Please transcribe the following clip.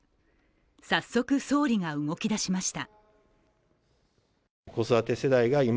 早速、総理が動きだしました。